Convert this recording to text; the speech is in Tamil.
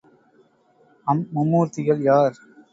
அம் மும்மூர்த்திகள் யார்?